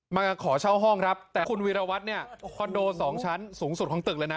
มาขอเช่าห้องครับแต่คุณวีรวัตรเนี่ยคอนโดสองชั้นสูงสุดของตึกเลยนะ